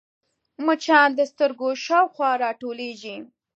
مچان د سترګو شاوخوا راټولېږي